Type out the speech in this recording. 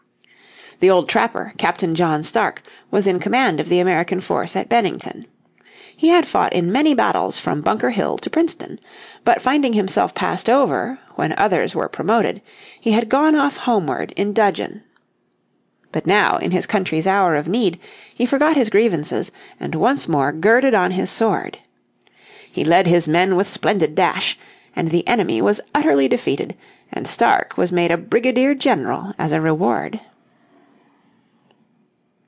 This old trapper, Captain John Stark, was in command of the American force at Bennington. He had fought in many battles from Bunker Hill to Princeton. But, finding himself passed over, when others were promoted, he had gone off homeward in dudgeon. But now in his country's hour of need he forgot his grievances and once more girded on his sword. He led his men with splendid dash and the enemy was utterly defeated, and Stark was made a brigadier general as a reward.